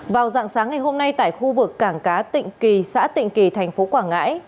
vào dạng sáng ngày hôm nay tại khu vực cảng cá tịnh kỳ xã tịnh kỳ thành phố quảng ngãi